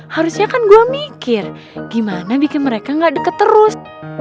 harusnya kan gue mikir gimana bikin mereka gak deket terus